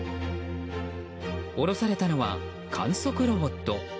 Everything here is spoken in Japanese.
下ろされたのは観測ロボット。